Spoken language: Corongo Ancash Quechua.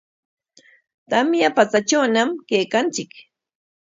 Tamya patsatrawñam kaykanchik.